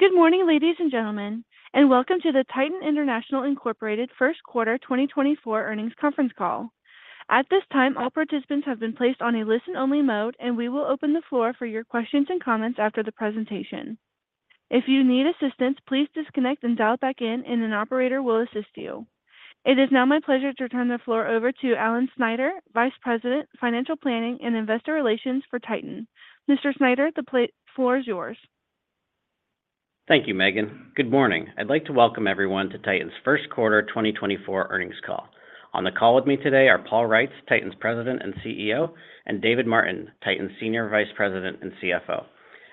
Good morning, ladies and gentlemen, and welcome to the Titan International Incorporated Q1 2024 Earnings Conference Call. At this time, all participants have been placed on a listen-only mode, and we will open the floor for your questions and comments after the presentation. If you need assistance, please disconnect and dial back in, and an operator will assist you. It is now my pleasure to turn the floor over to Alan Snyder, Vice President, Financial Planning and Investor Relations for Titan. Mr. Snyder, the floor is yours. Thank you, Megan. Good morning. I'd like to welcome everyone to Titan's Q1 2024 Earnings Call. On the call with me today are Paul Reitz, Titan's President and CEO, and David Martin, Titan's Senior Vice President and CFO.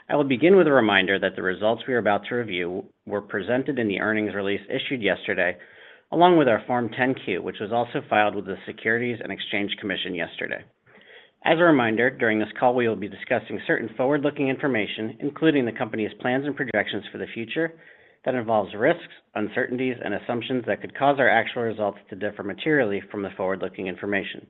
I will begin with a reminder that the results we are about to review were presented in the earnings release issued yesterday, along with our Form 10-Q, which was also filed with the Securities and Exchange Commission yesterday. As a reminder, during this call, we will be discussing certain forward-looking information, including the company's plans and projections for the future that involves risks, uncertainties, and assumptions that could cause our actual results to differ materially from the forward-looking information.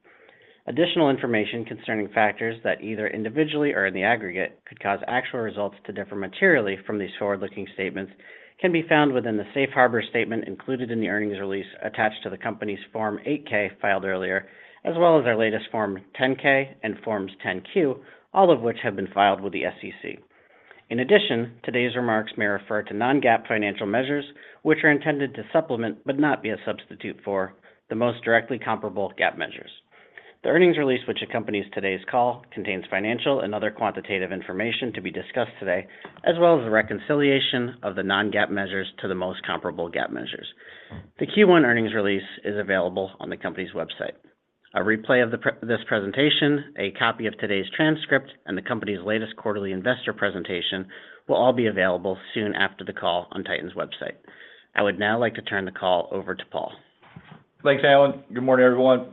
Additional information concerning factors that, either individually or in the aggregate, could cause actual results to differ materially from these forward-looking statements can be found within the safe harbor statement included in the earnings release attached to the company's Form 8-K filed earlier, as well as our latest Form 10-K and Forms 10-Q, all of which have been filed with the SEC. In addition, today's remarks may refer to non-GAAP financial measures, which are intended to supplement, but not be a substitute for, the most directly comparable GAAP measures. The earnings release which accompanies today's call contains financial and other quantitative information to be discussed today, as well as a reconciliation of the non-GAAP measures to the most comparable GAAP measures. The Q1 earnings release is available on the company's website. A replay of this presentation, a copy of today's transcript, and the company's latest quarterly investor presentation will all be available soon after the call on Titan's website. I would now like to turn the call over to Paul. Thanks, Alan. Good morning, everyone.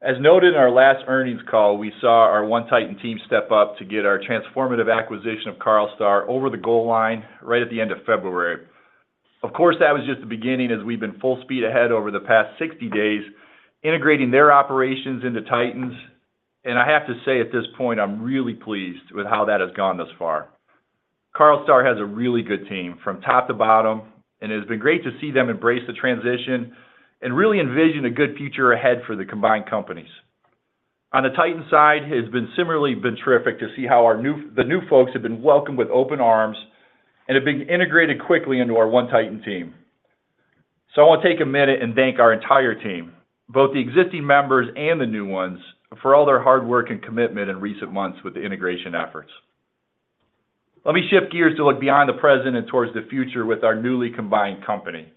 As noted in our last earnings call, we saw our One Titan team step up to get our transformative acquisition of Carlstar over the goal line right at the end of February. Of course, that was just the beginning, as we've been full speed ahead over the past 60 days, integrating their operations into Titan's. And I have to say, at this point, I'm really pleased with how that has gone thus far. Carlstar has a really good team from top to bottom, and it has been great to see them embrace the transition and really envision a good future ahead for the combined companies. On the Titan side, it has similarly been terrific to see how the new folks have been welcomed with open arms and have been integrated quickly into our One Titan team. So I want to take a minute and thank our entire team, both the existing members and the new ones, for all their hard work and commitment in recent months with the integration efforts. Let me shift gears to look beyond the present and towards the future with our newly combined company.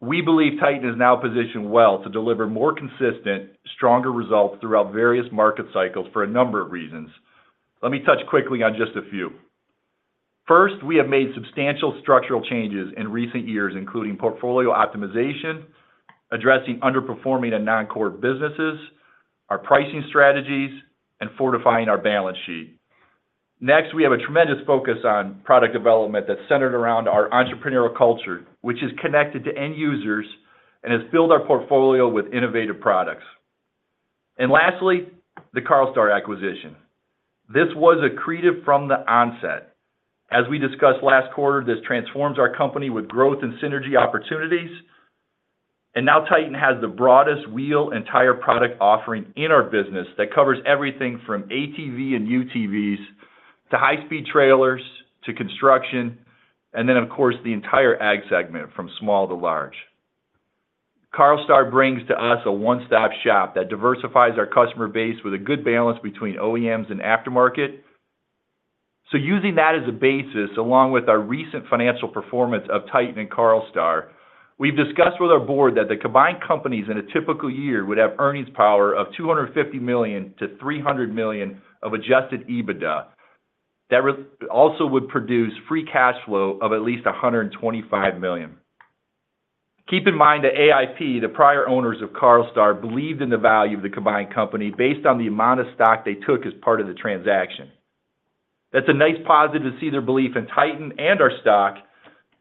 We believe Titan is now positioned well to deliver more consistent, stronger results throughout various market cycles for a number of reasons. Let me touch quickly on just a few. First, we have made substantial structural changes in recent years, including portfolio optimization, addressing underperforming and non-core businesses, our pricing strategies, and fortifying our balance sheet. Next, we have a tremendous focus on product development that's centered around our entrepreneurial culture, which is connected to end users and has filled our portfolio with innovative products. And lastly, the Carlstar acquisition. This was accretive from the onset. As we discussed last quarter, this transforms our company with growth and synergy opportunities, and now Titan has the broadest wheel and tire product offering in our business that covers everything from ATV and UTVs to high-speed trailers to construction, and then, of course, the entire ag segment, from small to large. Carlstar brings to us a one-stop shop that diversifies our customer base with a good balance between OEMs and aftermarket. So using that as a basis, along with our recent financial performance of Titan and Carlstar, we've discussed with our board that the combined companies in a typical year would have earnings power of $250-$300 million of adjusted EBITDA. That also would produce free cash flow of at least $125 million. Keep in mind that AIP, the prior owners of Carlstar, believed in the value of the combined company based on the amount of stock they took as part of the transaction. That's a nice positive to see their belief in Titan and our stock.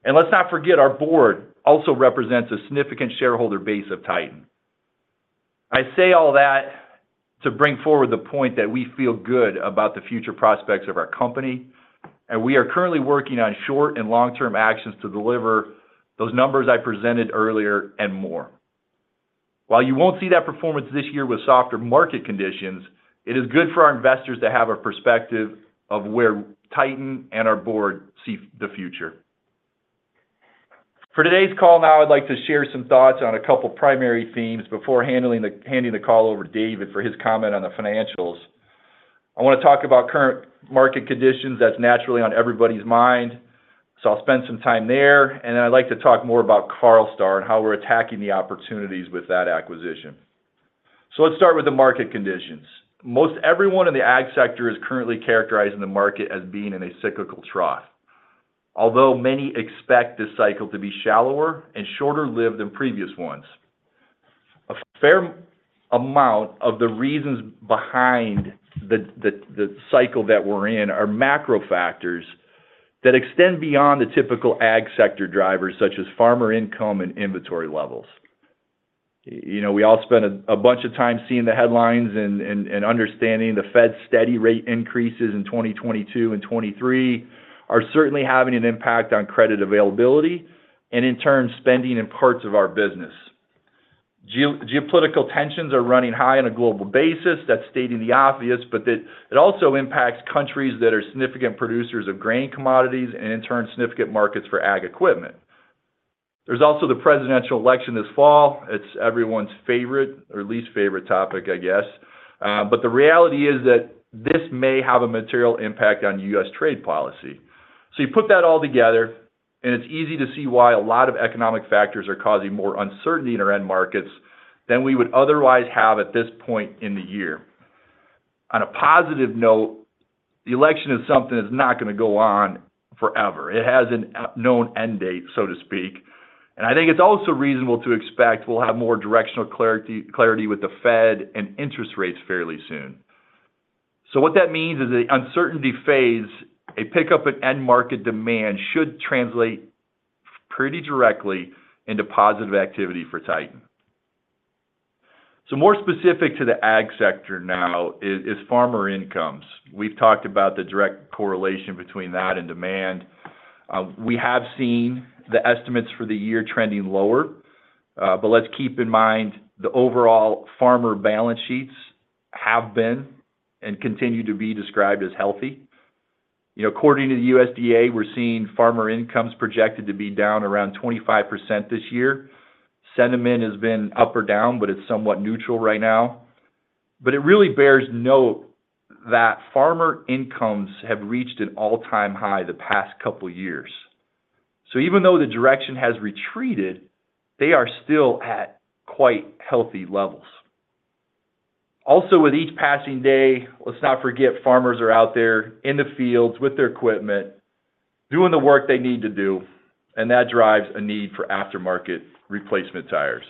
Let's not forget, our board also represents a significant shareholder base of Titan. I say all that to bring forward the point that we feel good about the future prospects of our company, and we are currently working on short- and long-term actions to deliver those numbers I presented earlier and more. While you won't see that performance this year with softer market conditions, it is good for our investors to have a perspective of where Titan and our board see the future. For today's call now, I'd like to share some thoughts on a couple primary themes before handing the call over to David for his comment on the financials. I wanna talk about current market conditions. That's naturally on everybody's mind, so I'll spend some time there. And then I'd like to talk more about Carlstar and how we're attacking the opportunities with that acquisition. So let's start with the market conditions. Most everyone in the ag sector is currently characterizing the market as being in a cyclical trough, although many expect this cycle to be shallower and shorter-lived than previous ones. A fair amount of the reasons behind the cycle that we're in are macro factors that extend beyond the typical ag sector drivers, such as farmer income and inventory levels.... You know, we all spent a bunch of time seeing the headlines and understanding the Fed's steady rate increases in 2022 and 2023 are certainly having an impact on credit availability and, in turn, spending in parts of our business. Geopolitical tensions are running high on a global basis. That's stating the obvious, but it also impacts countries that are significant producers of grain commodities and, in turn, significant markets for ag equipment. There's also the presidential election this fall. It's everyone's favorite or least favorite topic, I guess. But the reality is that this may have a material impact on U.S. trade policy. So you put that all together, and it's easy to see why a lot of economic factors are causing more uncertainty in our end markets than we would otherwise have at this point in the year. On a positive note, the election is something that's not gonna go on forever. It has a, a known end date, so to speak, and I think it's also reasonable to expect we'll have more directional clarity with the Fed and interest rates fairly soon. So what that means is as the uncertainty phase, a pickup in end market demand should translate pretty directly into positive activity for Titan. So more specific to the ag sector now is farmer incomes. We've talked about the direct correlation between that and demand. We have seen the estimates for the year trending lower, but let's keep in mind, the overall farmer balance sheets have been and continue to be described as healthy. You know, according to the USDA, we're seeing farmer incomes projected to be down around 25% this year. Sentiment has been up or down, but it's somewhat neutral right now. But it really bears noting that farmer incomes have reached an all-time high the past couple years. So even though the direction has retreated, they are still at quite healthy levels. Also, with each passing day, let's not forget, farmers are out there in the fields with their equipment, doing the work they need to do, and that drives a need for aftermarket replacement tires.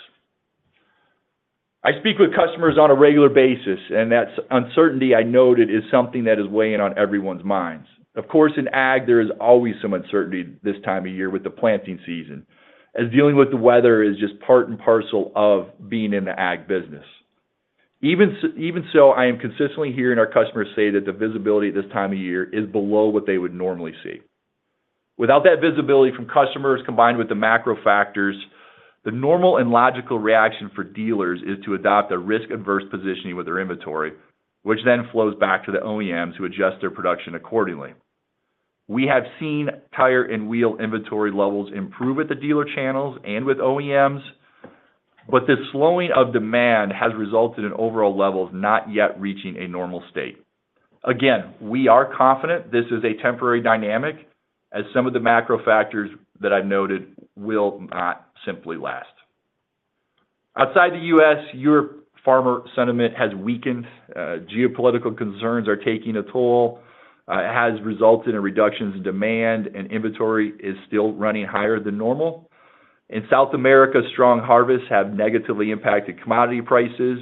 I speak with customers on a regular basis, and that uncertainty I noted is something that is weighing on everyone's minds. Of course, in ag, there is always some uncertainty this time of year with the planting season, as dealing with the weather is just part and parcel of being in the ag business. Even so, I am consistently hearing our customers say that the visibility this time of year is below what they would normally see. Without that visibility from customers, combined with the macro factors, the normal and logical reaction for dealers is to adopt a risk-averse positioning with their inventory, which then flows back to the OEMs, who adjust their production accordingly. We have seen tire and wheel inventory levels improve with the dealer channels and with OEMs, but the slowing of demand has resulted in overall levels not yet reaching a normal state. Again, we are confident this is a temporary dynamic, as some of the macro factors that I've noted will not simply last. Outside the U.S., European farmer sentiment has weakened. Geopolitical concerns are taking a toll. It has resulted in reductions in demand, and inventory is still running higher than normal. In South America, strong harvests have negatively impacted commodity prices.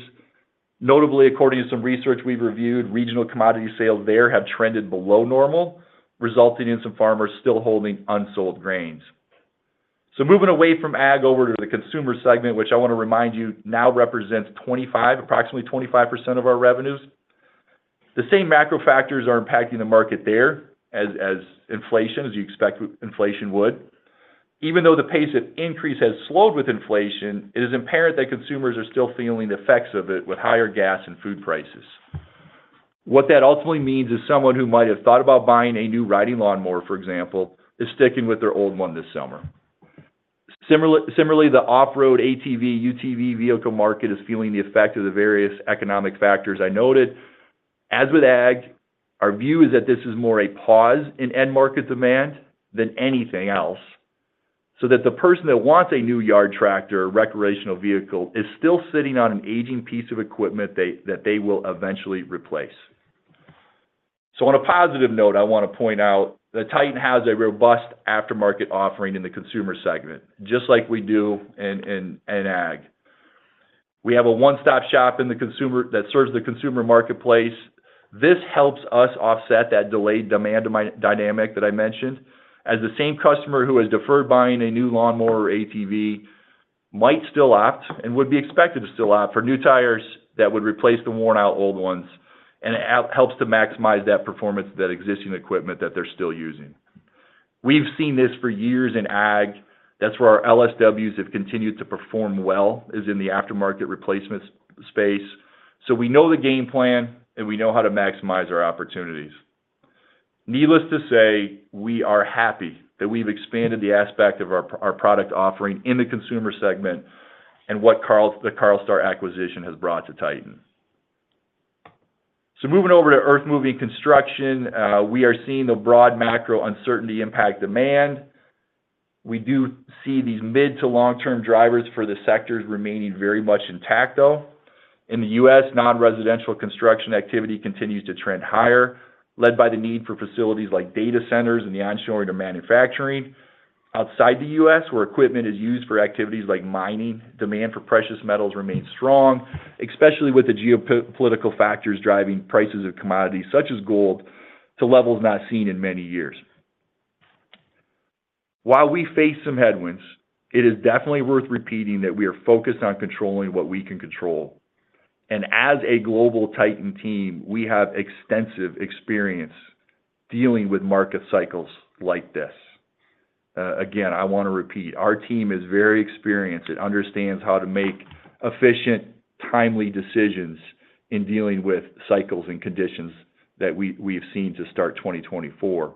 Notably, according to some research we've reviewed, regional commodity sales there have trended below normal, resulting in some farmers still holding unsold grains. So moving away from ag over to the consumer segment, which I want to remind you now represents 25, approximately 25% of our revenues. The same macro factors are impacting the market there as inflation, as you expect inflation would. Even though the pace of increase has slowed with inflation, it is apparent that consumers are still feeling the effects of it with higher gas and food prices. What that ultimately means is someone who might have thought about buying a new riding lawnmower, for example, is sticking with their old one this summer. Similarly, the off-road ATV, UTV vehicle market is feeling the effect of the various economic factors I noted. As with ag, our view is that this is more a pause in end market demand than anything else, so that the person that wants a new yard tractor or recreational vehicle is still sitting on an aging piece of equipment that they will eventually replace. So on a positive note, I want to point out that Titan has a robust aftermarket offering in the consumer segment, just like we do in ag. We have a one-stop shop in the consumer that serves the consumer marketplace. This helps us offset that delayed demand dynamic that I mentioned, as the same customer who has deferred buying a new lawnmower or ATV might still opt, and would be expected to still opt, for new tires that would replace the worn-out old ones and helps to maximize that performance of that existing equipment that they're still using. We've seen this for years in ag. That's where our LSWs have continued to perform well, is in the aftermarket replacements space. So we know the game plan, and we know how to maximize our opportunities. Needless to say, we are happy that we've expanded the aspect of our product offering in the consumer segment and what the Carlstar acquisition has brought to Titan. So moving over to earthmoving construction, we are seeing the broad macro uncertainty impact demand. We do see these mid- to long-term drivers for the sectors remaining very much intact, though. In the U.S., non-residential construction activity continues to trend higher, led by the need for facilities like data centers and the onshoring of manufacturing. Outside the U.S., where equipment is used for activities like mining, demand for precious metals remains strong, especially with the geopolitical factors driving prices of commodities, such as gold, to levels not seen in many years. While we face some headwinds, it is definitely worth repeating that we are focused on controlling what we can control. And as a global Titan team, we have extensive experience dealing with market cycles like this. Again, I wanna repeat, our team is very experienced. It understands how to make efficient, timely decisions in dealing with cycles and conditions that we have seen to start 2024.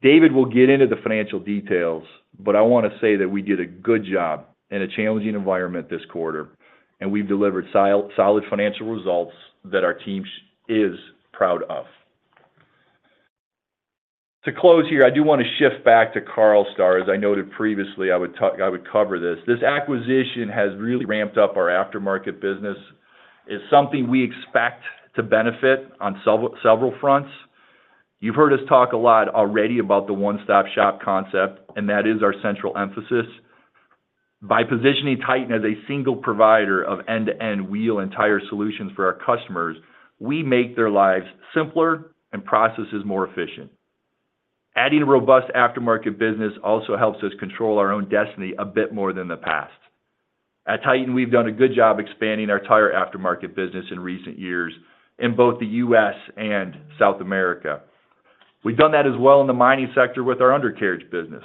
David will get into the financial details, but I wanna say that we did a good job in a challenging environment this quarter, and we've delivered solid financial results that our team is proud of. To close here, I do wanna shift back to Carlstar. As I noted previously, I would cover this. This acquisition has really ramped up our aftermarket business. It's something we expect to benefit on several fronts. You've heard us talk a lot already about the one-stop shop concept, and that is our central emphasis. By positioning Titan as a single provider of end-to-end wheel and tire solutions for our customers, we make their lives simpler and processes more efficient. Adding a robust aftermarket business also helps us control our own destiny a bit more than the past. At Titan, we've done a good job expanding our tire aftermarket business in recent years in both the US and South America. We've done that as well in the mining sector with our undercarriage business.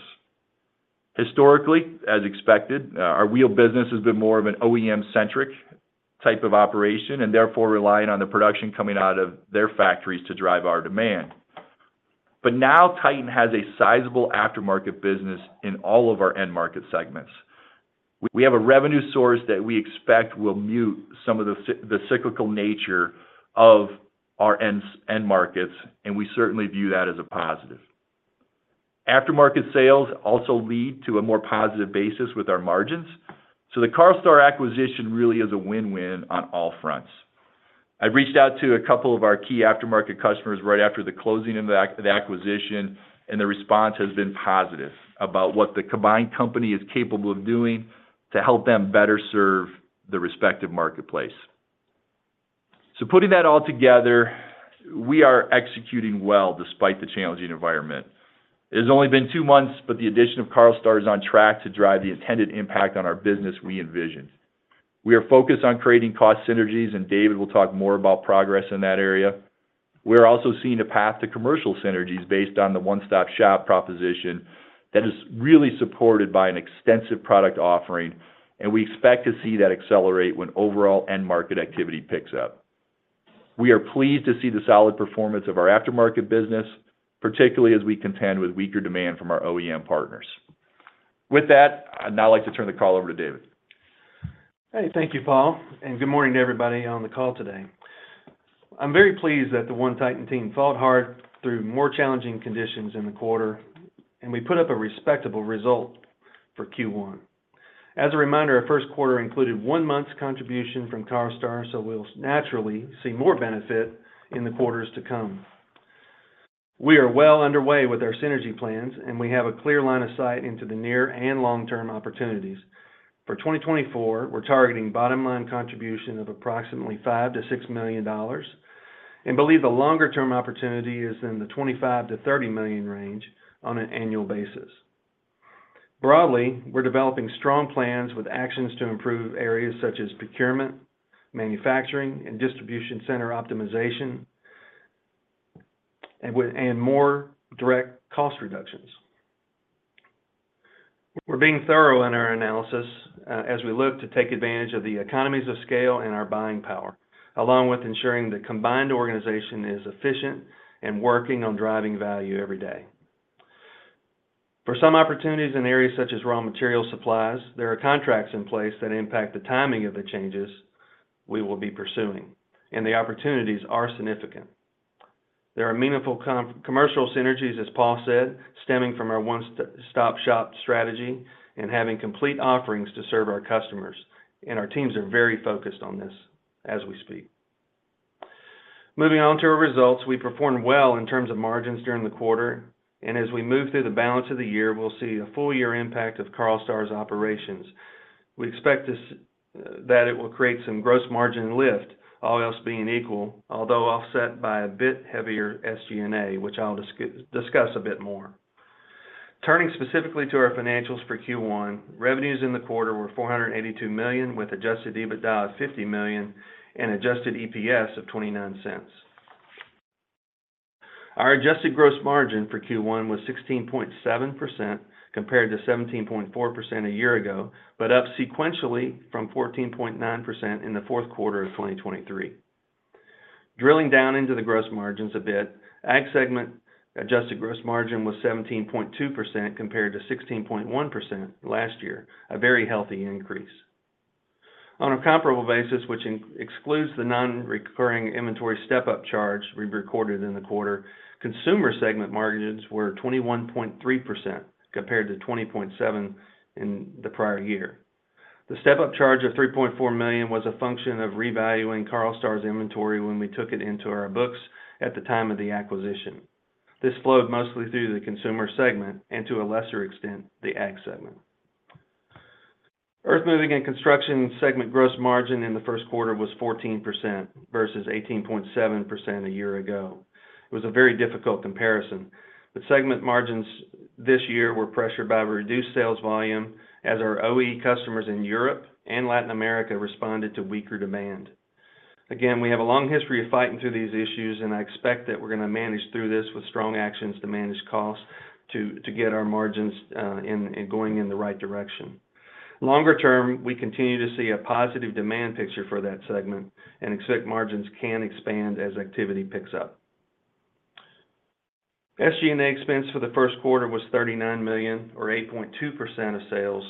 Historically, as expected, our wheel business has been more of an OEM-centric type of operation, and therefore, relying on the production coming out of their factories to drive our demand. But now, Titan has a sizable aftermarket business in all of our end market segments. We have a revenue source that we expect will mute some of the cyclical nature of our end markets, and we certainly view that as a positive. Aftermarket sales also lead to a more positive basis with our margins, so the Carlstar acquisition really is a win-win on all fronts. I've reached out to a couple of our key aftermarket customers right after the closing of the acquisition, and the response has been positive about what the combined company is capable of doing to help them better serve the respective marketplace. So putting that all together, we are executing well despite the challenging environment. It has only been two months, but the addition of Carlstar is on track to drive the intended impact on our business we envisioned. We are focused on creating cost synergies, and David will talk more about progress in that area. We are also seeing a path to commercial synergies based on the one-stop shop proposition that is really supported by an extensive product offering, and we expect to see that accelerate when overall end market activity picks up. We are pleased to see the solid performance of our aftermarket business, particularly as we contend with weaker demand from our OEM partners. With that, I'd now like to turn the call over to David. Hey, thank you, Paul, and good morning to everybody on the call today. I'm very pleased that the One Titan team fought hard through more challenging conditions in the quarter, and we put up a respectable result for Q1. As a reminder, our Q1 included one month's contribution from Carlstar, so we'll naturally see more benefit in the quarters to come. We are well underway with our synergy plans, and we have a clear line of sight into the near and long-term opportunities. For 2024, we're targeting bottom line contribution of approximately $5-$6 million, and believe the longer term opportunity is in the $25-$30 million range on an annual basis. Broadly, we're developing strong plans with actions to improve areas such as procurement, manufacturing, and distribution center optimization, and with more direct cost reductions. We're being thorough in our analysis, as we look to take advantage of the economies of scale and our buying power, along with ensuring the combined organization is efficient and working on driving value every day. For some opportunities in areas such as raw material supplies, there are contracts in place that impact the timing of the changes we will be pursuing, and the opportunities are significant. There are meaningful commercial synergies, as Paul said, stemming from our one-stop shop strategy and having complete offerings to serve our customers, and our teams are very focused on this as we speak. Moving on to our results, we performed well in terms of margins during the quarter, and as we move through the balance of the year, we'll see a full year impact of Carlstar's operations. We expect this that it will create some gross margin lift, all else being equal, although offset by a bit heavier SG&A, which I'll discuss a bit more. Turning specifically to our financials for Q1, revenues in the quarter were $482 million, with adjusted EBITDA of $50 million and adjusted EPS of $0.29. Our adjusted gross margin for Q1 was 16.7%, compared to 17.4% a year ago, but up sequentially from 14.9% in the Q4 of 2023. Drilling down into the gross margins a bit, Ag segment adjusted gross margin was 17.2% compared to 16.1% last year, a very healthy increase. On a comparable basis, which excludes the non-recurring inventory step-up charge we recorded in the quarter, consumer segment margins were 21.3% compared to 20.7% in the prior year. The step-up charge of $3.4 million was a function of revaluing Carlstar's inventory when we took it into our books at the time of the acquisition. This flowed mostly through the consumer segment and, to a lesser extent, the Ag segment. Earthmoving and Construction segment gross margin in the Q1 was 14% versus 18.7% a year ago. It was a very difficult comparison, but segment margins this year were pressured by reduced sales volume as our OE customers in Europe and Latin America responded to weaker demand. Again, we have a long history of fighting through these issues, and I expect that we're gonna manage through this with strong actions to manage costs to get our margins in going in the right direction. Longer term, we continue to see a positive demand picture for that segment and expect margins can expand as activity picks up. SG&A expense for the Q1 was $39 million, or 8.2% of sales,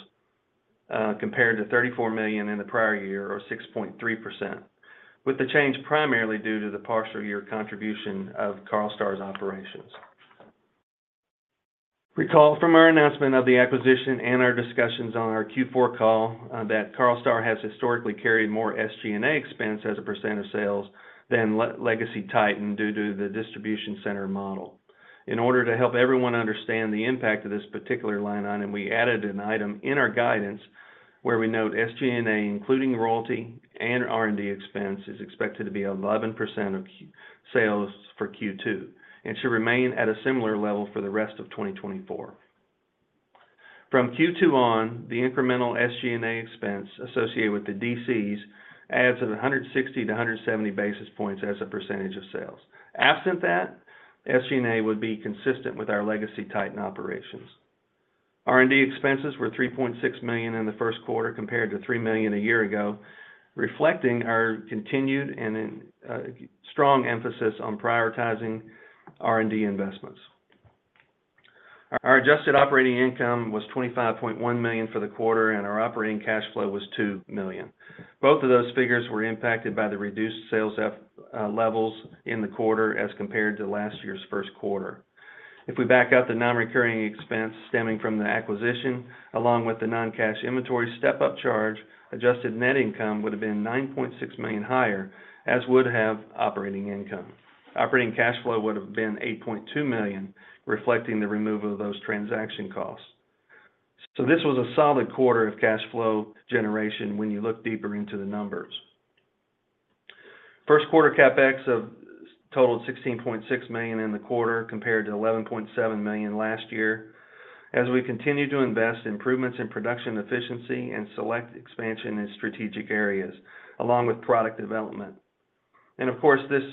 compared to $34 million in the prior year, or 6.3%, with the change primarily due to the partial year contribution of Carlstar's operations. Recall from our announcement of the acquisition and our discussions on our Q4 call, that Carlstar has historically carried more SG&A expense as a percent of sales than legacy Titan, due to the distribution center model. In order to help everyone understand the impact of this particular line item, we added an item in our guidance where we note SG&A, including royalty and R&D expense, is expected to be 11% of sales for Q2, and should remain at a similar level for the rest of 2024. From Q2 on, the incremental SG&A expense associated with the DCs adds 160-170 basis points as a percentage of sales. Absent that, SG&A would be consistent with our legacy Titan operations. R&D expenses were $3.6 million in the Q1, compared to $3 million a year ago, reflecting our continued and strong emphasis on prioritizing R&D investments. Our adjusted operating income was $25.1 million for the quarter, and our operating cash flow was $2 million. Both of those figures were impacted by the reduced sales levels in the quarter as compared to last year's Q1. If we back out the non-recurring expense stemming from the acquisition, along with the non-cash inventory step-up charge, adjusted net income would have been $9.6 million higher, as would have operating income. Operating cash flow would have been $8.2 million, reflecting the removal of those transaction costs. So this was a solid quarter of cash flow generation when you look deeper into the numbers. Q1 CapEx totaled $16.6 million in the quarter, compared to $11.7 million last year, as we continue to invest in improvements in production efficiency and select expansion in strategic areas, along with product development. And of course, this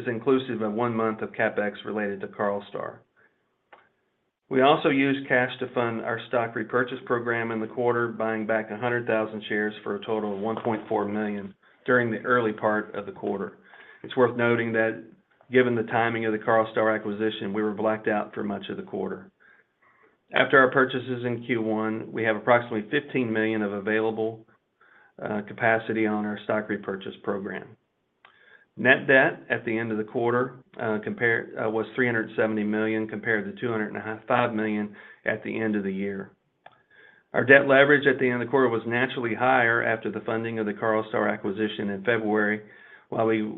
is inclusive of one month of CapEx related to Carlstar. We also used cash to fund our stock repurchase program in the quarter, buying back 100,000 shares for a total of $1.4 million during the early part of the quarter. It's worth noting that given the timing of the Carlstar acquisition, we were blacked out for much of the quarter. After our purchases in Q1, we have approximately $15 million of available capacity on our stock repurchase program. Net debt at the end of the quarter was $370 million, compared to $205 million at the end of the year. Our debt leverage at the end of the quarter was naturally higher after the funding of the Carlstar acquisition in February, while we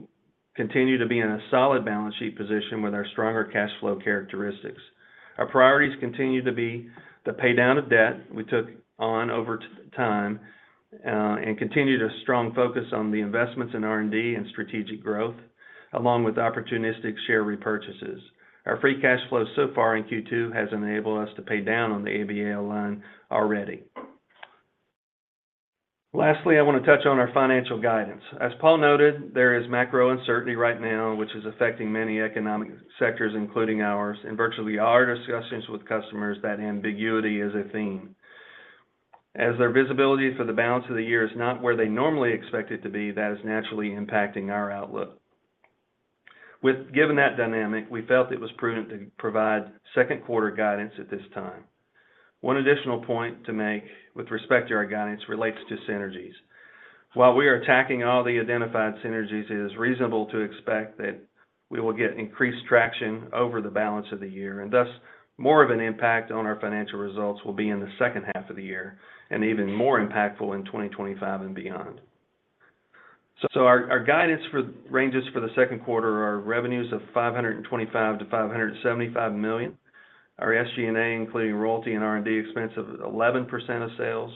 continue to be in a solid balance sheet position with our stronger cash flow characteristics. Our priorities continue to be the pay down of debt we took on over time, and continue to strong focus on the investments in R&D and strategic growth, along with opportunistic share repurchases. Our free cash flow so far in Q2 has enabled us to pay down on the ABL line already. Lastly, I want to touch on our financial guidance. As Paul noted, there is macro uncertainty right now, which is affecting many economic sectors, including ours, and virtually our discussions with customers, that ambiguity is a theme. As their visibility for the balance of the year is not where they normally expect it to be, that is naturally impacting our outlook. Given that dynamic, we felt it was prudent to provide Q2 guidance at this time. One additional point to make with respect to our guidance relates to synergies. While we are attacking all the identified synergies, it is reasonable to expect that we will get increased traction over the balance of the year, and thus, more of an impact on our financial results will be in the second half of the year, and even more impactful in 2025 and beyond. So our guidance for ranges for the Q2 are revenues of $525-$575 million. Our SG&A, including royalty and R&D expense, of 11% of sales,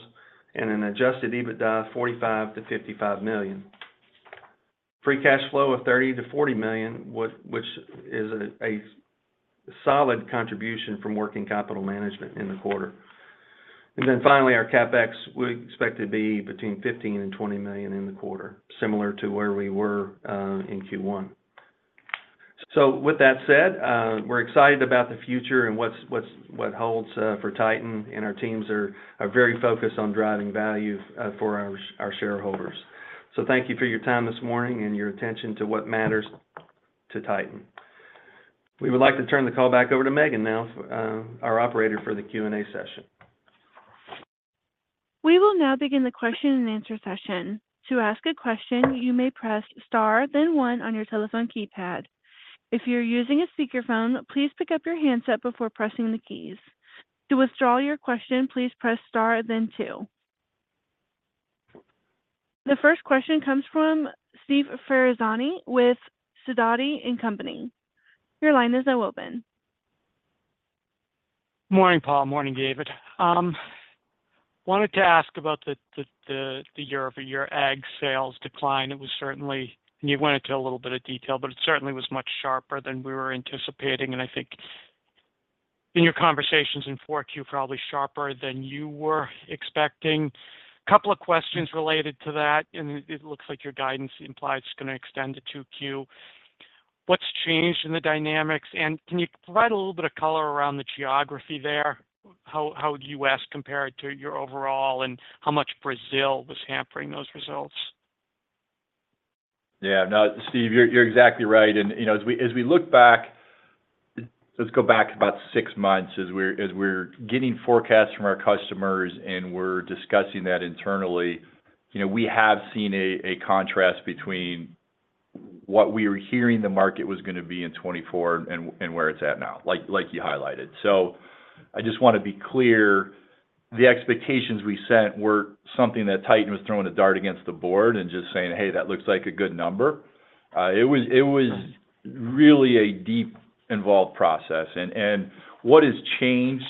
and an adjusted EBITDA, $45-$55 million. Free cash flow of $30-$40 million, which is a solid contribution from working capital management in the quarter. And then finally, our CapEx, we expect to be between $15 and $20 million in the quarter, similar to where we were in Q1. So with that said, we're excited about the future and what holds for Titan, and our teams are very focused on driving value for our shareholders. So thank you for your time this morning and your attention to what matters to Titan. We would like to turn the call back over to Megan now, our operator for the Q&A session. We will now begin the question and answer session. To ask a question, you may press Star, then One on your telephone keypad. If you're using a speakerphone, please pick up your handset before pressing the keys. To withdraw your question, please press Star, then Two.... The first question comes from Steve Ferazani with Sidoti & Company. Your line is now open. Morning, Paul. Morning, David. Wanted to ask about the year-over-year ag sales decline. It was certainly, and you went into a little bit of detail, but it certainly was much sharper than we were anticipating, and I think in your conversations in Q4, probably sharper than you were expecting. Couple of questions related to that, and it looks like your guidance implies it's gonna extend to Q2. What's changed in the dynamics, and can you provide a little bit of color around the geography there? How would U.S. compare to your overall and how much Brazil was hampering those results? Yeah. No, Steve, you're exactly right. And, you know, as we look back, let's go back about six months as we're getting forecasts from our customers, and we're discussing that internally, you know, we have seen a contrast between what we were hearing the market was gonna be in 2024 and where it's at now, like you highlighted. So I just wanna be clear, the expectations we set weren't something that Titan was throwing a dart against the board and just saying, "Hey, that looks like a good number." It was really a deeply involved process. And what has changed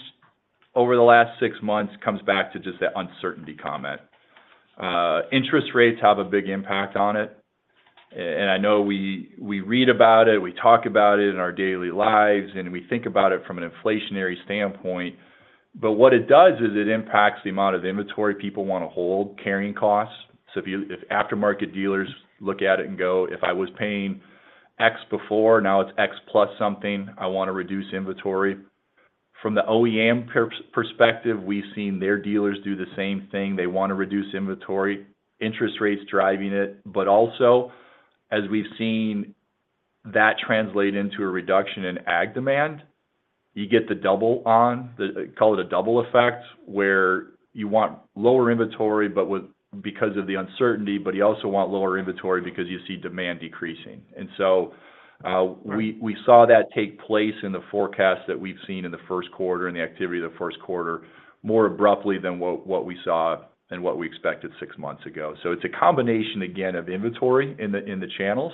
over the last six months comes back to just that uncertainty comment. Interest rates have a big impact on it. I know we read about it, we talk about it in our daily lives, and we think about it from an inflationary standpoint, but what it does is it impacts the amount of inventory people wanna hold, carrying costs. So if aftermarket dealers look at it and go, "If I was paying X before, now it's X plus something, I wanna reduce inventory." From the OEM perspective, we've seen their dealers do the same thing. They wanna reduce inventory, interest rates driving it. But also, as we've seen that translate into a reduction in ag demand, you get the double, the, call it a double effect, where you want lower inventory, but because of the uncertainty, but you also want lower inventory because you see demand decreasing. And so, we saw that take place in the forecast that we've seen in the Q1 and the activity of the Q1, more abruptly than what we saw and what we expected six months ago. So it's a combination, again, of inventory in the channels,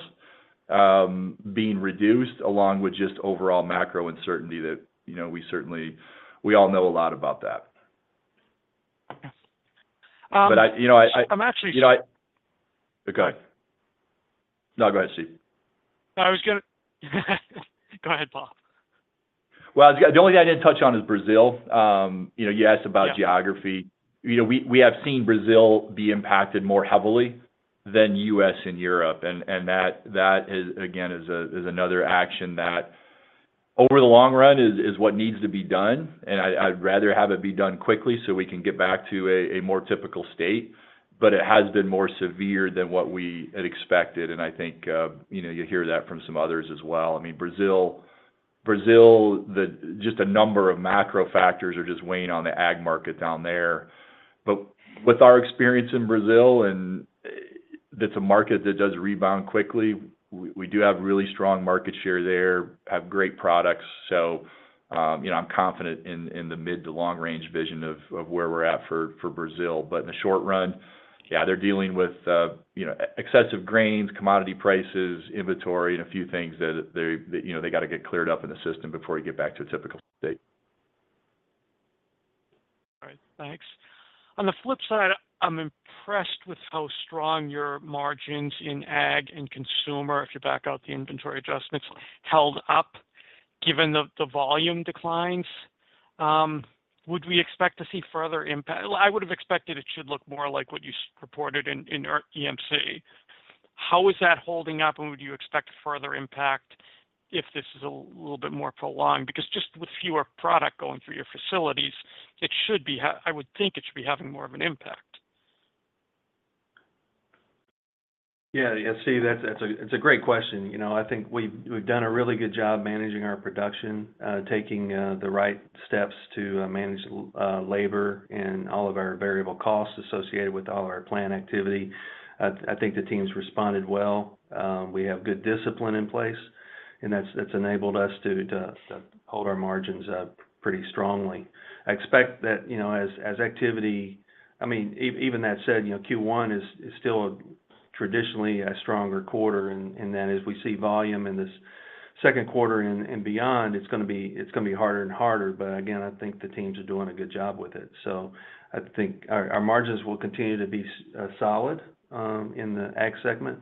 being reduced, along with just overall macro uncertainty that, you know, we certainly, we all know a lot about that. Um- But you know, I I'm actually- You know, okay. No, go ahead, Steve. I was gonna go ahead, Paul. Well, the only thing I didn't touch on is Brazil. You know, you asked about- Yeah Geography. You know, we have seen Brazil be impacted more heavily than US and Europe, and that is, again, another action that, over the long run, is what needs to be done, and I'd rather have it be done quickly so we can get back to a more typical state. But it has been more severe than what we had expected, and I think, you know, you hear that from some others as well. I mean, Brazil, just a number of macro factors are just weighing on the ag market down there. But with our experience in Brazil, and it's a market that does rebound quickly, we do have really strong market share there, have great products. So, you know, I'm confident in the mid to long range vision of where we're at for Brazil. But in the short run, yeah, they're dealing with, you know, excessive grains, commodity prices, inventory, and a few things that they, you know, got to get cleared up in the system before you get back to a typical state. All right, thanks. On the flip side, I'm impressed with how strong your margins in ag and consumer, if you back out the inventory adjustments, held up, given the volume declines. Would we expect to see further impact? Well, I would have expected it should look more like what you reported in our EMC. How is that holding up, and would you expect further impact if this is a little bit more prolonged? Because just with fewer product going through your facilities, it should be, I would think, having more of an impact. Yeah, yeah, Steve, that's a, it's a great question. You know, I think we've done a really good job managing our production, taking the right steps to manage labor and all of our variable costs associated with all of our plant activity. I think the teams responded well. We have good discipline in place, and that's enabled us to hold our margins up pretty strongly. I expect that, you know, as activity, I mean, even that said, you know, Q1 is still traditionally a stronger quarter, and then as we see volume in this Q2 and beyond, it's gonna be harder and harder. But again, I think the teams are doing a good job with it. So I think our margins will continue to be solid in the ag segment.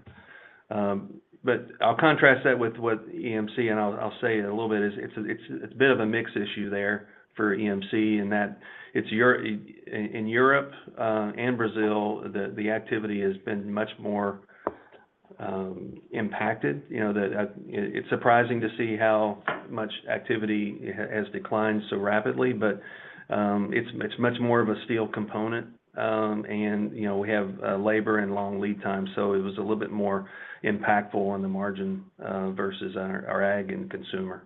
But I'll contrast that with what EMC, and I'll say it a little bit, is it's a bit of a mix issue there for EMC, and that it's in Europe and Brazil, the activity has been much more impacted. You know, it's surprising to see how much activity has declined so rapidly, but it's much more of a steel component. And, you know, we have labor and long lead time, so it was a little bit more impactful on the margin versus our ag and consumer.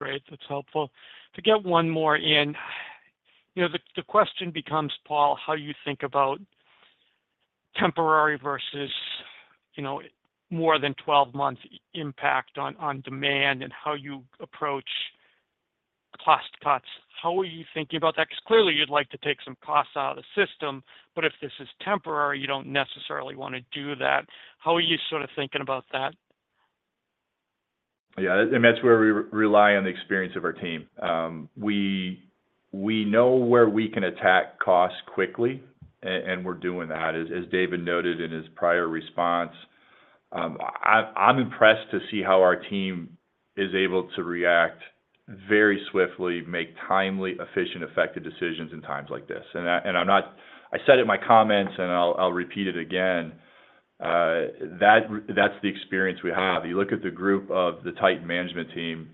Great, that's helpful. To get one more in, you know, the question becomes, Paul, how you think about temporary versus, you know, more than 12 months impact on demand and how you approach cost cuts. How are you thinking about that? Because clearly you'd like to take some costs out of the system, but if this is temporary, you don't necessarily want to do that. How are you sort of thinking about that? Yeah, and that's where we rely on the experience of our team. We know where we can attack costs quickly, and we're doing that. As David noted in his prior response, I'm impressed to see how our team is able to react very swiftly, make timely, efficient, effective decisions in times like this. And I'm not. I said it in my comments, and I'll repeat it again, that that's the experience we have. You look at the group of the Titan management team.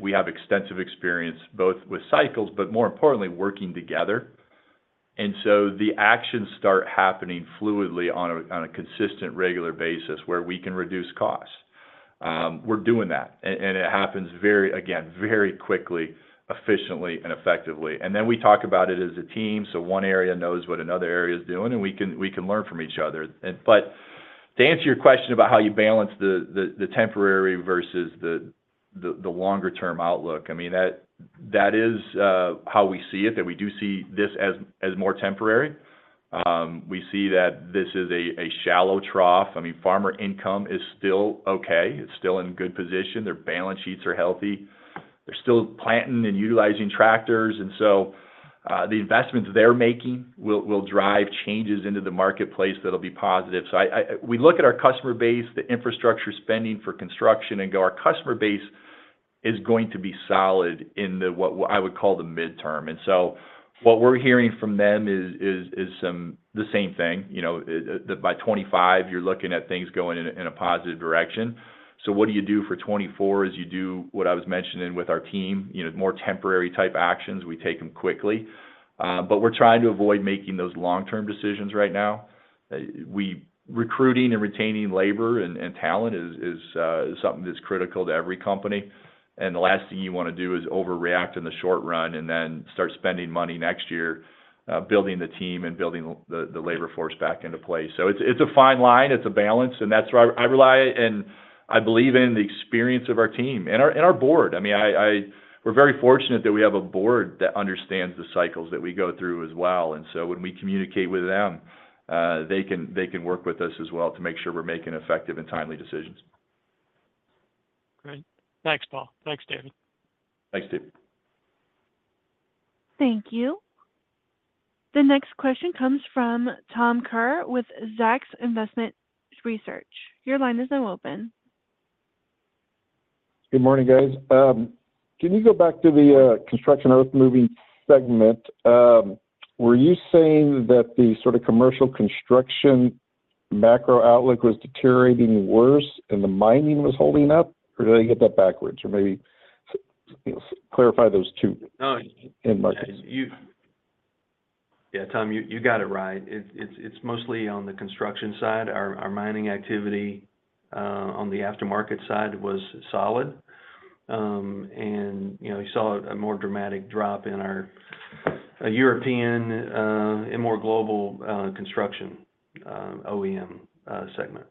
We have extensive experience, both with cycles, but more importantly, working together. And so the actions start happening fluidly on a consistent, regular basis where we can reduce costs. We're doing that, and it happens very, again, very quickly, efficiently, and effectively. And then we talk about it as a team, so one area knows what another area is doing, and we can learn from each other. But to answer your question about how you balance the temporary versus the longer-term outlook, I mean, that is how we see it, that we do see this as more temporary. We see that this is a shallow trough. I mean, farmer income is still okay. It's still in good position. Their balance sheets are healthy. They're still planting and utilizing tractors, and so the investments they're making will drive changes into the marketplace that'll be positive. So we look at our customer base, the infrastructure spending for construction, and go, our customer base is going to be solid in the what I would call the midterm. What we're hearing from them is the same thing, you know, that by 2025, you're looking at things going in a positive direction. So what do you do for 2024 is you do what I was mentioning with our team, you know, more temporary type actions, we take them quickly. But we're trying to avoid making those long-term decisions right now. We're recruiting and retaining labor and talent is something that's critical to every company, and the last thing you wanna do is overreact in the short run and then start spending money next year, building the team and building the labor force back into place. So it's a fine line, it's a balance, and that's why I rely, and I believe in the experience of our team and our board. I mean, we're very fortunate that we have a board that understands the cycles that we go through as well. And so when we communicate with them, they can, they can work with us as well to make sure we're making effective and timely decisions. Great. Thanks, Paul. Thanks, David. Thanks, David. Thank you. The next question comes from Tom Kerr with Zacks Investment Research. Your line is now open. Good morning, guys. Can you go back to the construction earthmoving segment? Were you saying that the sort of commercial construction macro outlook was deteriorating worse and the mining was holding up? Or did I get that backwards, or maybe clarify those two? Oh, In my- Yeah, Tom, you got it right. It's mostly on the construction side. Our mining activity on the aftermarket side was solid. And, you know, we saw a more dramatic drop in our European and more global construction OEM segment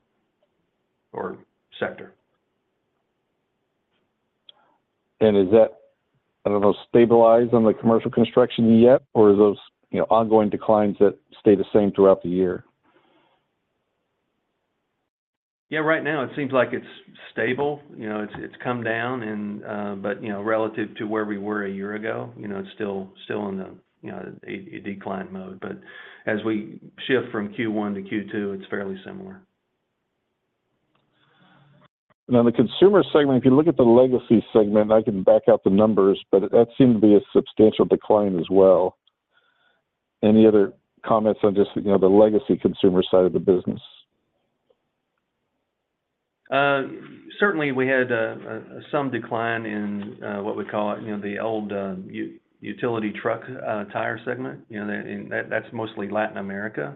or sector. Is that, I don't know, stabilized on the commercial construction yet, or are those, you know, ongoing declines that stay the same throughout the year? Yeah, right now it seems like it's stable. You know, it's come down and, but, you know, relative to where we were a year ago, you know, it's still in the, you know, a decline mode. But as we shift from Q1 to Q2, it's fairly similar. Now, the consumer segment, if you look at the legacy segment, I can back out the numbers, but that seemed to be a substantial decline as well. Any other comments on just, you know, the legacy consumer side of the business? Certainly, we had some decline in what we call, you know, the old utility truck tire segment. You know, that's mostly Latin America,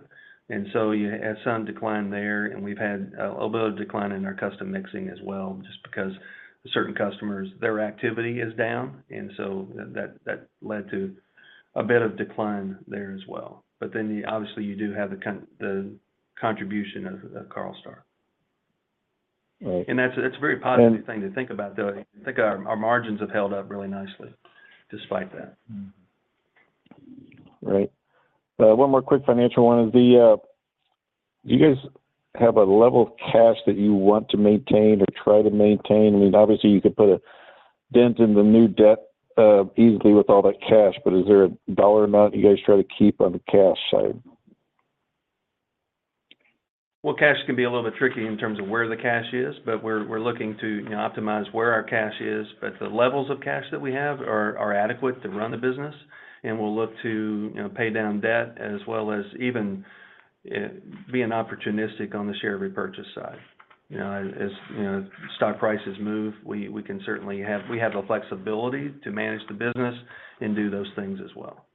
and so you had some decline there, and we've had a little bit of decline in our custom mixing as well, just because certain customers, their activity is down, and so that led to a bit of decline there as well. But then, obviously, you do have the contribution of Carlstar. Right. That's, that's a very positive thing to think about, though. I think our, our margins have held up really nicely despite that. Right. One more quick financial one. Do you guys have a level of cash that you want to maintain or try to maintain? I mean, obviously, you could put a dent in the new debt easily with all that cash, but is there a dollar amount you guys try to keep on the cash side? Well, cash can be a little bit tricky in terms of where the cash is, but we're looking to, you know, optimize where our cash is. But the levels of cash that we have are adequate to run the business, and we'll look to, you know, pay down debt as well as even being opportunistic on the share repurchase side. You know, as you know, stock prices move, we can certainly have the flexibility to manage the business and do those things as well.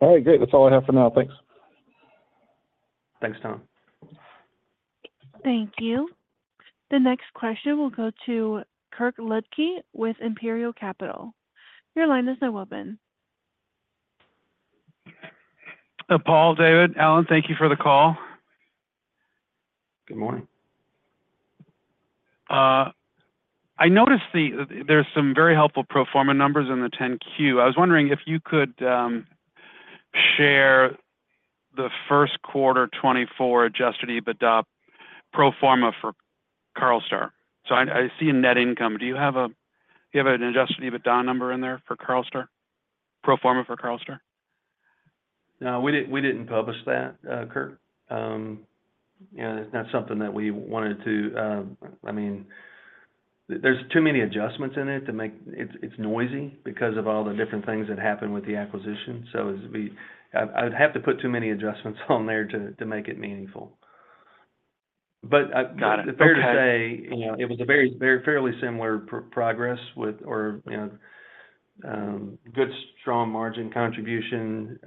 All right, great. That's all I have for now. Thanks. Thanks, Tom. Thank you. The next question will go to Kirk Ludtke with Imperial Capital. Your line is now open. Paul, David, Alan, thank you for the call. Good morning. I noticed there's some very helpful pro forma numbers in the 10-Q. I was wondering if you could share the Q1 2024 adjusted EBITDA pro forma for Carlstar. So I see a net income. Do you have an adjusted EBITDA number in there for Carlstar? Pro forma for Carlstar? No, we didn't publish that, Kirk. You know, that's not something that we wanted to. I mean, there's too many adjustments in it to make it. It's noisy because of all the different things that happened with the acquisition. So as we, I would have to put too many adjustments on there to make it meaningful. But, Got it. Okay. Fair to say, you know, it was a very, very fairly similar progress with, or, you know, good, strong margin contribution.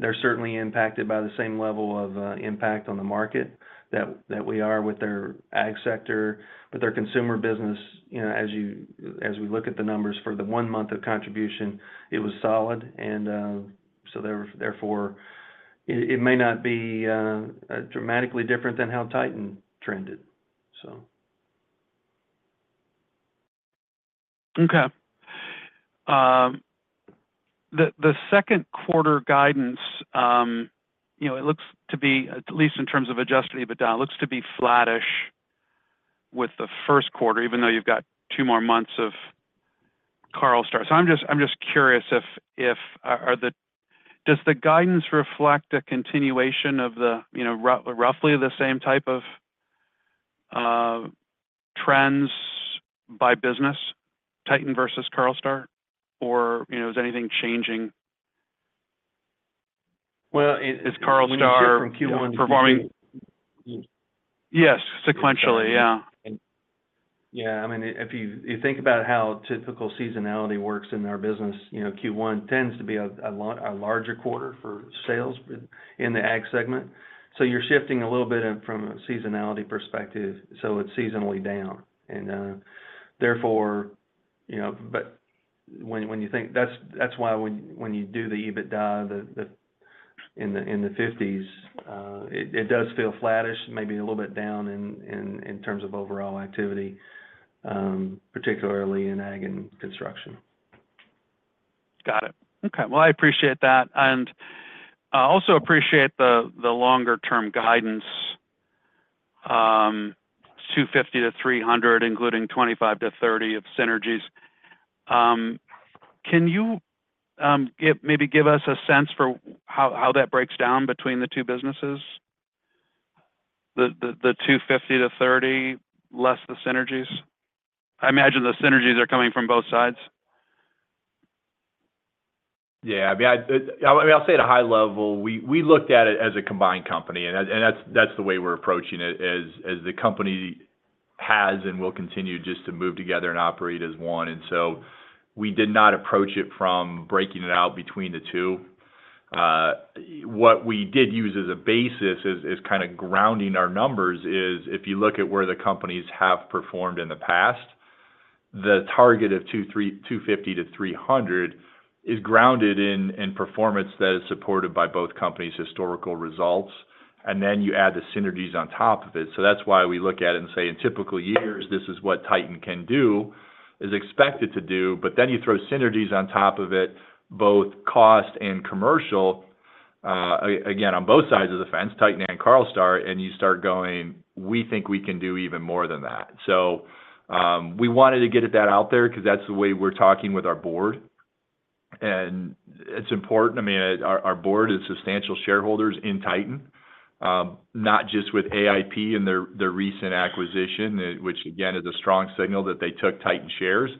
They're certainly impacted by the same level of impact on the market that we are with their ag sector, but their consumer business, you know, as we look at the numbers for the one month of contribution, it was solid. And, so therefore, it may not be dramatically different than how Titan trended, so. Okay. The Q2 guidance, you know, it looks to be, at least in terms of Adjusted EBITDA, it looks to be flattish with the Q1, even though you've got two more months of Carlstar. So I'm just curious if does the guidance reflect a continuation of the, you know, roughly the same type of trends by business, Titan versus Carlstar? Or, you know, is anything changing? Well, it- Is Carlstar performing- Yes, sequentially. Yeah. Yeah, I mean, if you think about how typical seasonality works in our business, you know, Q1 tends to be a larger quarter for sales in the ag segment. So you're shifting a little bit in from a seasonality perspective, so it's seasonally down. And therefore, you know, but when you think... That's why when you do the EBITDA, the in the fifties, it does feel flattish, maybe a little bit down in terms of overall activity, particularly in ag and construction. Got it. Okay. Well, I appreciate that. And I also appreciate the longer-term guidance, $250-$300, including $25-$30 of synergies. Can you give maybe give us a sense for how that breaks down between the two businesses? The $250-$300, less the synergies. I imagine the synergies are coming from both sides. Yeah, I mean, I'll say at a high level, we looked at it as a combined company, and that's the way we're approaching it, as the company has and will continue just to move together and operate as one. So we did not approach it from breaking it out between the two. What we did use as a basis, as kinda grounding our numbers is, if you look at where the companies have performed in the past, the target of 250-300 is grounded in performance that is supported by both companies' historical results, and then you add the synergies on top of it. So that's why we look at it and say: In typical years, this is what Titan can do, is expected to do, but then you throw synergies on top of it, both cost and commercial, again, on both sides of the fence, Titan and Carlstar, and you start going, "We think we can do even more than that." So, we wanted to get that out there because that's the way we're talking with our board, and it's important. I mean, our, our board is substantial shareholders in Titan, not just with AIP and their, their recent acquisition, which again, is a strong signal that they took Titan shares,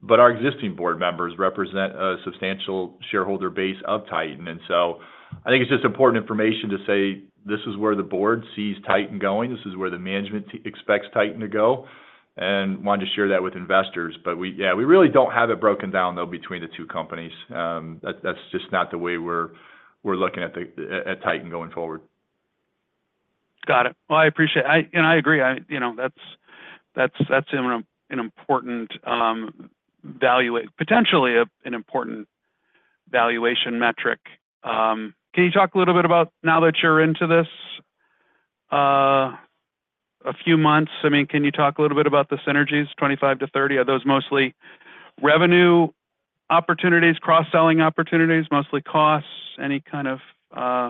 but our existing board members represent a substantial shareholder base of Titan. And so I think it's just important information to say this is where the board sees Titan going, this is where the management expects Titan to go, and wanted to share that with investors. But we... Yeah, we really don't have it broken down, though, between the two companies. That's just not the way we're looking at Titan going forward. Got it. Well, I appreciate it. And I agree. You know, that's an important, potentially an important valuation metric. Can you talk a little bit about, now that you're into this a few months, I mean, can you talk a little bit about the synergies, 25-30? Are those mostly revenue opportunities, cross-selling opportunities, mostly costs, any kind of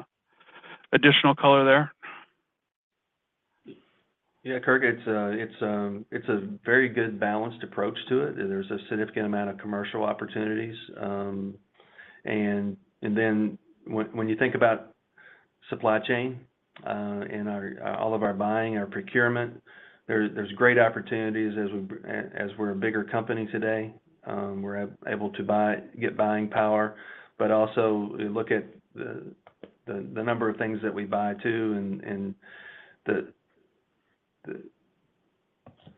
additional color there? Yeah, Kirk, it's a very good balanced approach to it. There's a significant amount of commercial opportunities, and then when you think about supply chain, and our, all of our buying, our procurement, there's great opportunities as we, as we're a bigger company today. We're able to buy, get buying power, but also look at the number of things that we buy, too, and the...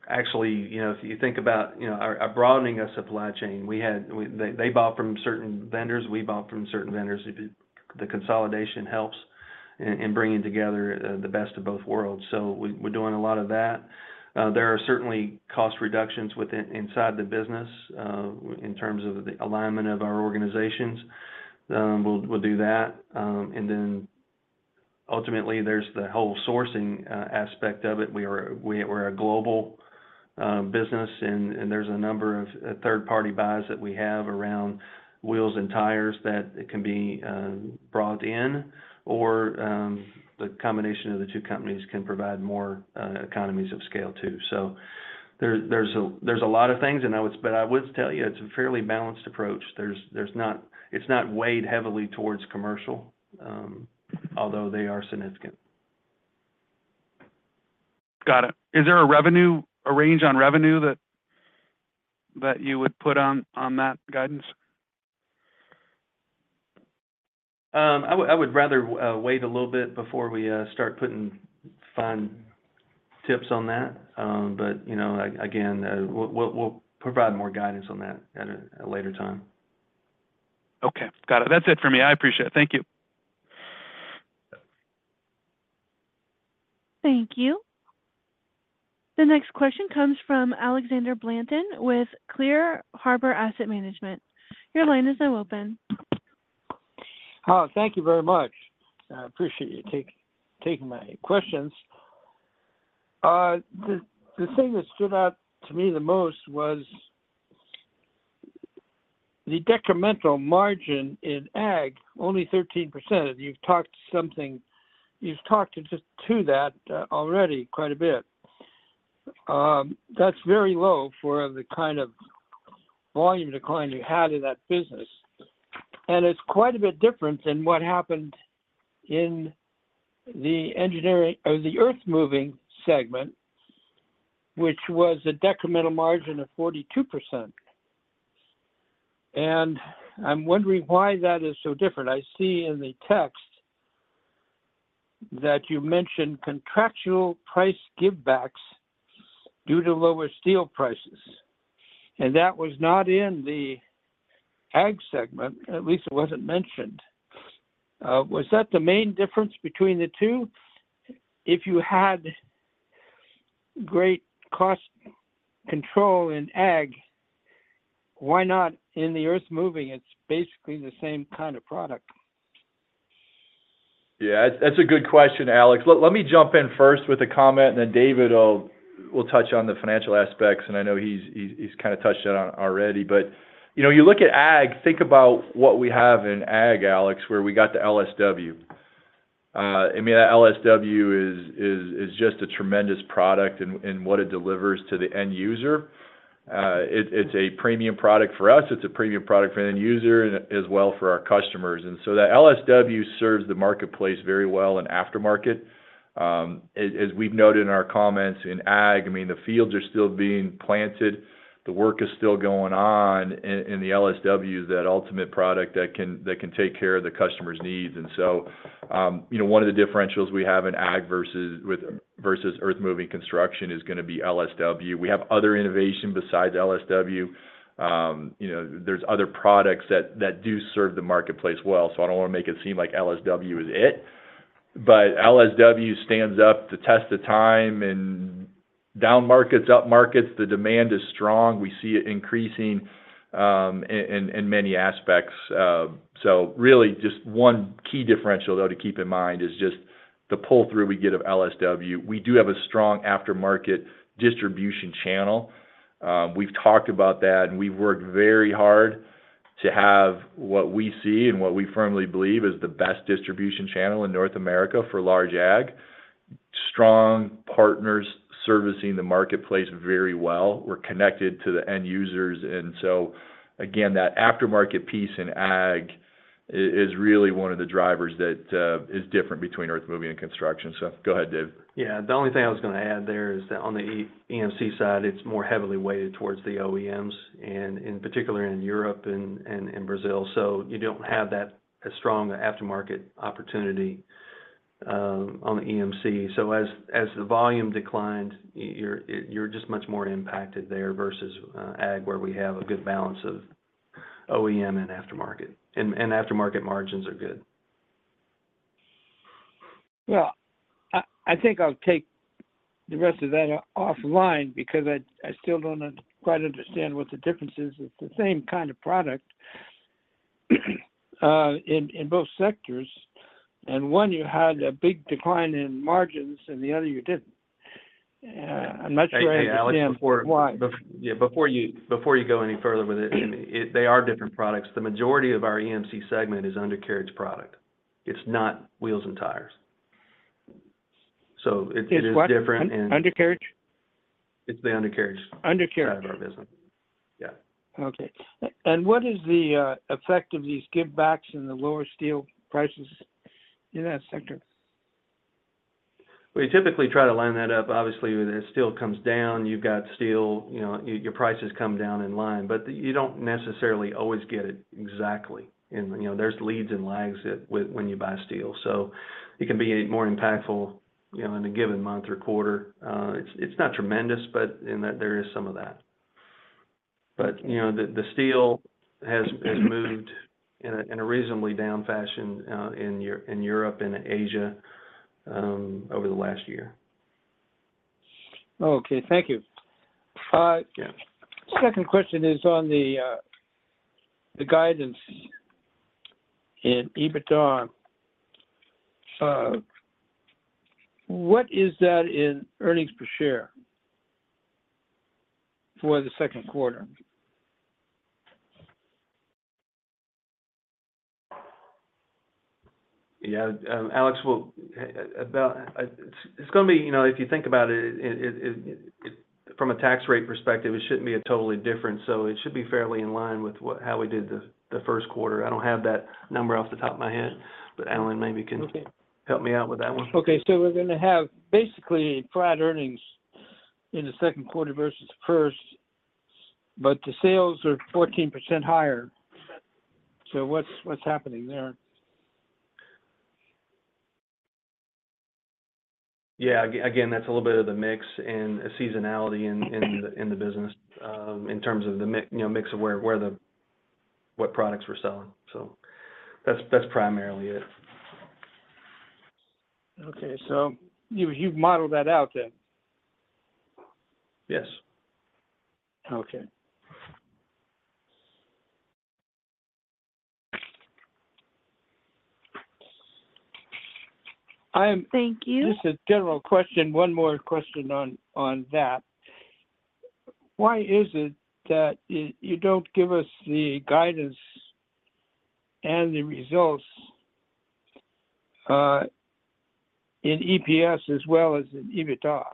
actually, you know, if you think about, you know, our broadening of supply chain, we had, they bought from certain vendors, we bought from certain vendors. The consolidation helps in bringing together the best of both worlds. So we're doing a lot of that. There are certainly cost reductions within, inside the business, in terms of the alignment of our organizations. We'll do that. And then ultimately, there's the whole sourcing aspect of it. We're a global business, and there's a number of third-party buys that we have around wheels and tires that it can be brought in, or the combination of the two companies can provide more economies of scale, too. So there's a lot of things, and I would tell you, it's a fairly balanced approach. It's not weighed heavily towards commercial, although they are significant. Got it. Is there a revenue, a range on revenue that, that you would put on, on that guidance? I would rather wait a little bit before we start putting fine tips on that. But, you know, again, we'll provide more guidance on that at a later time. Okay, got it. That's it for me. I appreciate it. Thank you. Thank you. The next question comes from Alexander Blanton with Clear Harbor Asset Management. Your line is now open. Oh, thank you very much. I appreciate you taking my questions. The thing that stood out to me the most was the decremental margin in ag, only 13%. You've talked just to that already quite a bit. That's very low for the kind of volume decline you had in that business, and it's quite a bit different than what happened in the engineering or the earthmoving segment, which was a decremental margin of 42%. And I'm wondering why that is so different. I see in the text that you mentioned contractual price givebacks due to lower steel prices, and that was not in the ag segment, at least it wasn't mentioned. Was that the main difference between the two? If you had great cost control in ag, why not in the earthmoving? It's basically the same kind of product. Yeah, that's a good question, Alex. Let me jump in first with a comment, and then David will touch on the financial aspects, and I know he's kinda touched on it already. But, you know, you look at ag, think about what we have in ag, Alex, where we got the LSW. I mean, that LSW is just a tremendous product in what it delivers to the end user. It's a premium product for us, it's a premium product for the end user and as well for our customers. And so that LSW serves the marketplace very well in aftermarket. As we've noted in our comments in ag, I mean, the fields are still being planted, the work is still going on, and the LSW is that ultimate product that can take care of the customer's needs. And so, you know, one of the differentials we have in ag versus earthmoving construction is gonna be LSW. We have other innovation besides LSW. You know, there's other products that do serve the marketplace well, so I don't want to make it seem like LSW is it. But LSW stands up to test the time in down markets, up markets. The demand is strong. We see it increasing in many aspects. So really just one key differential, though, to keep in mind is just the pull-through we get of LSW. We do have a strong aftermarket distribution channel. We've talked about that, and we've worked very hard to have what we see and what we firmly believe is the best distribution channel in North America for large ag. Strong partners servicing the marketplace very well. We're connected to the end users, and so again, that aftermarket piece in ag is really one of the drivers that is different between earthmoving and construction. So go ahead, Dave. Yeah. The only thing I was gonna add there is that on the EMC side, it's more heavily weighted towards the OEMs, and in particular in Europe and Brazil. So you don't have that a strong aftermarket opportunity on the EMC. So as the volume declined, you're just much more impacted there versus ag, where we have a good balance of OEM and aftermarket, and aftermarket margins are good. Well, I think I'll take the rest of that offline because I still don't quite understand what the difference is. It's the same kind of product in both sectors, and one, you had a big decline in margins and the other you didn't. I'm not sure I understand why. Hey, Alex, yeah, before you go any further with it, they are different products. The majority of our EMC segment is undercarriage product. It's not wheels and tires. So it is different and- It's what? Undercarriage? It's the undercarriage- Undercarriage... side of our business. Yeah. Okay. And what is the effect of these givebacks and the lower steel prices in that sector? We typically try to line that up. Obviously, when the steel comes down, you've got steel, you know, your prices come down in line, but you don't necessarily always get it exactly. And, you know, there's leads and lags that when you buy steel, so it can be more impactful, you know, in a given month or quarter. It's not tremendous, but in that, there is some of that. But, you know, the steel has moved in a reasonably down fashion in Europe and Asia over the last year. Okay, thank you. Yeah. Second question is on the guidance in EBITDA. What is that in earnings per share for the Q2? Yeah, Alex, well, it's gonna be... You know, if you think about it, from a tax rate perspective, it shouldn't be a totally different, so it should be fairly in line with what- how we did the Q1. I don't have that number off the top of my head, but Alan maybe can- Okay. - Help me out with that one. Okay. So we're gonna have basically flat earnings in the Q2 versus the first, but the sales are 14% higher. So what's, what's happening there? Yeah. Again, that's a little bit of the mix and seasonality in the business, in terms of the mix, you know, of where, where the... What products we're selling. So that's, that's primarily it. Okay. So you've modeled that out then? Yes. Okay. Thank you. This is a general question, one more question on that. Why is it that you don't give us the guidance and the results in EPS as well as in EBITDA?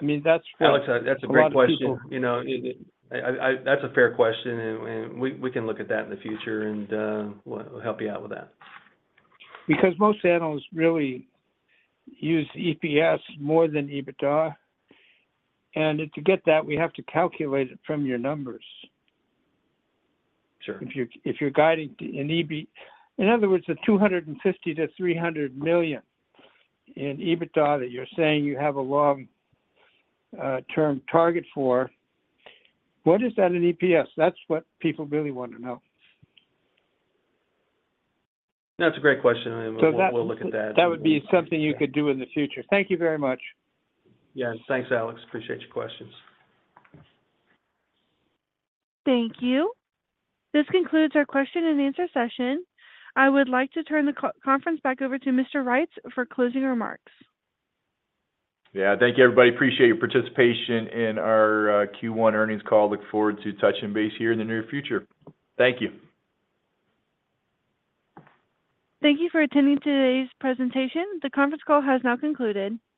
I mean, that's what- Alex, that's a great question. A lot of people- You know, that's a fair question, and we can look at that in the future, and we'll help you out with that. Because most analysts really use EPS more than EBITDA, and to get that, we have to calculate it from your numbers. Sure. If you're guiding to an EBITDA. In other words, the $250-$300 million in EBITDA that you're saying you have a long-term target for, what is that in EPS? That's what people really want to know. That's a great question, and, So that- We'll look at that. That would be something you could do in the future. Thank you very much. Yeah. Thanks, Alex. Appreciate your questions. Thank you. This concludes our question and answer session. I would like to turn the conference back over to Mr. Reitz for closing remarks. Yeah. Thank you, everybody. Appreciate your participation in our Q1 earnings call. Look forward to touching base here in the near future. Thank you. Thank you for attending today's presentation. The conference call has now concluded.